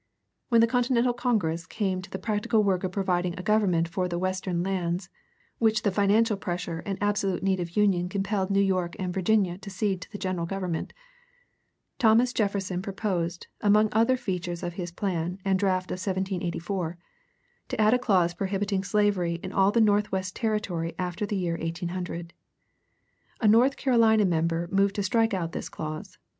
When the Continental Congress came to the practical work of providing a government for the "Western lands," which the financial pressure and the absolute need of union compelled New York and Virginia to cede to the general Government, Thomas Jefferson proposed, among other features in his plan and draft of 1784, to add a clause prohibiting slavery in all the North west territory after the year 1800. A North Carolina member moved to strike out this clause.